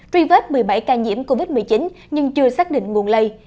truy vết một mươi bảy ca nhiễm covid một mươi chín nhưng chưa xác định nguồn lây